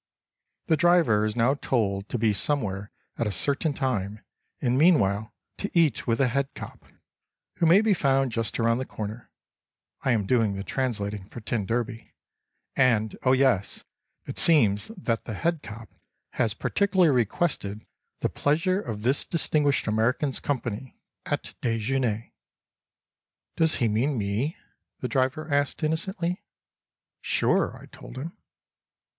The driver is now told to be somewhere at a certain time, and meanwhile to eat with the Head Cop, who may be found just around the corner—(I am doing the translating for t d)—and, oh yes, it seems that the Head Cop has particularly requested the pleasure of this distinguished American's company at déjeuner. "Does he mean me?" the driver asked innocently. "Sure," I told him.